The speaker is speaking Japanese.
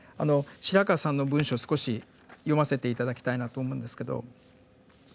白川さんの文章を少し読ませて頂きたいなと思うんですけど。